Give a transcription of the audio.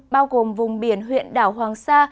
bao gồm vùng biển huyện đảo hoàng sa